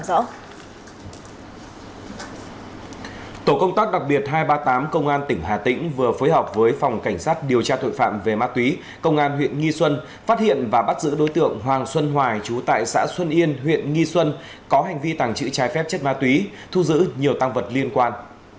tổ công tác đặc biệt hai trăm ba mươi tám công an tỉnh hà tĩnh vừa phối hợp với phòng cảnh sát điều tra tội phạm về ma túy công an huyện nghi xuân phát hiện và bắt giữ đối tượng hoàng xuân hoài chú tại xã xuân yên huyện nghi xuân có hành vi tàng trữ trái phép chất ma túy thu giữ nhiều tăng vật liên quan